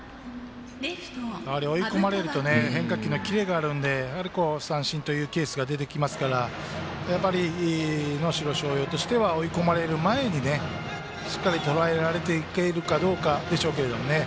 やはり追い込まれると変化球のキレがあるので三振というケースが出てきますから能代松陽としては追い込まれる前にしっかりとらえられるかでしょうけどね。